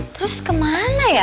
terus kemana ya